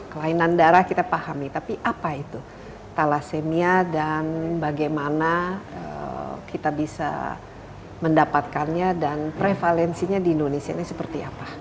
kelainan darah kita pahami tapi apa itu thalassemia dan bagaimana kita bisa mendapatkannya dan prevalensinya di indonesia ini seperti apa